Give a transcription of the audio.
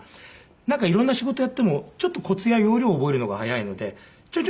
なんか色んな仕事をやってもちょっとコツや要領を覚えるのが早いのでちょちょ